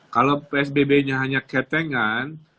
kalau psbb nya hanya ketengan